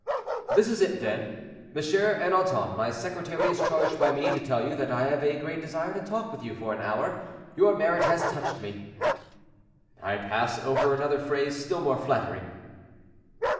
"This is it, then: 'M. Ernanton, my secretary is charged by me to tell you that I have a great desire to talk with you for an hour; your merit has touched me.' I pass over another phrase still more flattering."